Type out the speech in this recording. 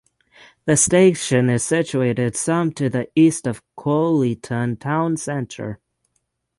The station is situated some to the east of Colyton town centre.